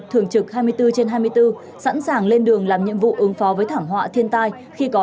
theo phương châm bốn tại chỗ